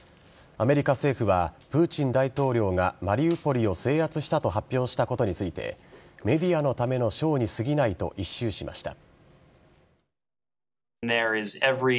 アメリカ政府はプーチン大統領がマリウポリを制圧したと発表したことについてメディアのためのショーに過ぎないと一蹴しました。